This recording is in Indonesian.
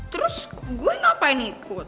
terus gue ngapain ikut